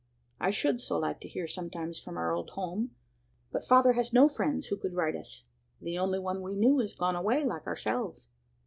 I should so like to hear sometimes from our old home, but father had no friends who could write to us; the only one we knew is gone away like ourselves.